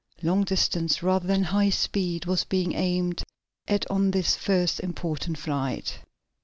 Long distance, rather than high speed was being aimed at on this first important flight.